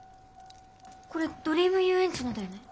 これドリーム遊園地のだよね。